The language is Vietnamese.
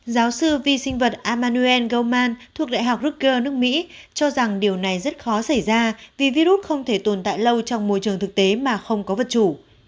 giáo sư vi sinh vật amanuel goman thuộc đại học rusker nước mỹ cho rằng điều này rất khó xảy ra vì virus không thể tồn tại lâu trong môi trường thực tế mà không có vật chủ